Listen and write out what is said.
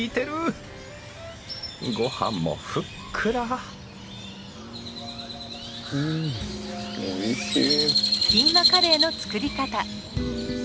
ごはんもふっくらうんおいしい。